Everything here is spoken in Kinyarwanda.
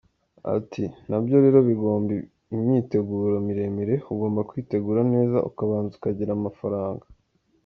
Ati “Nabyo rero bigomba imyiteguro miremire, ugomba kwitegura neza, ukabanza ukagira amafaranga.